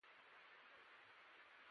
اوسنیو پوهنو تکیه وکوي.